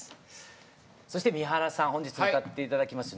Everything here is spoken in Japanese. そして三原さん本日歌って頂きます